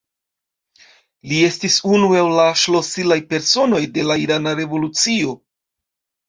Li estis unu el la ŝlosilaj personoj de la irana revolucio.